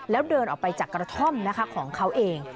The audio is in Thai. แล้วเดินออกไปจากกระท่อมนะคะของเขาเอง